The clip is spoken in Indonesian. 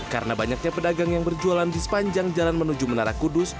karena banyaknya pedagang yang berjualan di sepanjang jalan menuju menara kudus